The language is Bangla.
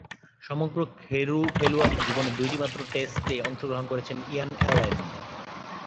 সমগ্র খেলোয়াড়ী জীবনে দুইটিমাত্র টেস্টে অংশগ্রহণ করেছেন ইয়ান অ্যালেন।